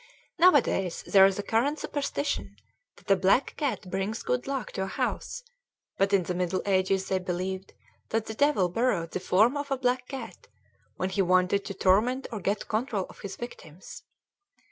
Nowadays, there is a current superstition that a black cat brings good luck to a house; but in the Middle Ages they believed that the devil borrowed the form of a black cat when he wanted to torment or get control of his victims.